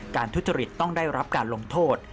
ทุจริตต้องได้รับการลงโทษ